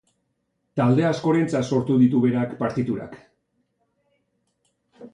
Talde askorentzar sortu ditu berak partiturak.